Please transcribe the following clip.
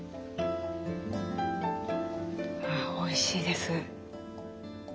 あおいしいです。